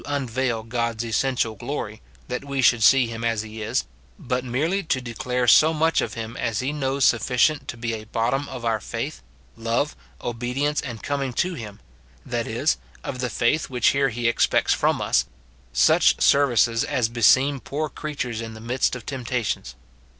273 unveil God's essential glory, that we should see him as he is, but merely to declare so much of him as he knows sufficient to be a bottom of our faith, love, obedience, and coming to him, — that is, of the faith which here he expects from us ; such services as beseem poor creatures in the midst of temptations.